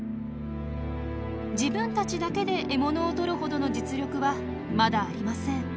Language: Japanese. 自分たちだけで獲物を取るほどの実力はまだありません。